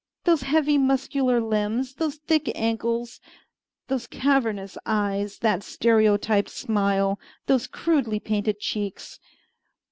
Those heavy, muscular limbs, those thick ankles, those cavernous eyes, that stereotyped smile, those crudely painted cheeks!